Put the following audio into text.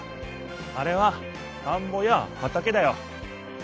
あれは田んぼや畑だよ。